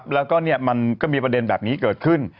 แล้วก็มันก็มีประเด็นแบบนี้เกิดขึ้น